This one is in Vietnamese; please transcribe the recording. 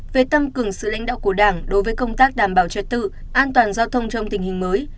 về tăng cường sự lãnh đạo của đảng đối với công tác đảm bảo trật tự an toàn giao thông trong tình hình mới